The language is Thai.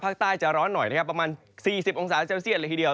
ภาคใต้จะร้อนหน่อยนะครับประมาณ๔๐องศาเซลเซียตเลยทีเดียว